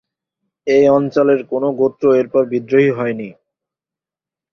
এই অঞ্চলের কোনো গোত্র এরপর বিদ্রোহী হয়নি।